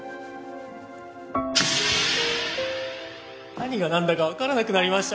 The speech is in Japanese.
何が何だかわからなくなりました。